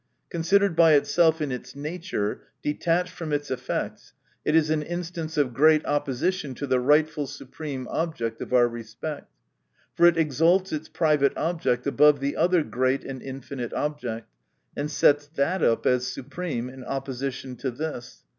Considered by itself in its nature, detached from its effects, it is an instance of great opposition to the rightful supreme object of our respect. For it exalts its private object above the other great and infinite object ; and sets that up as supreme, in opposition to this.